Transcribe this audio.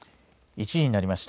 １時になりました。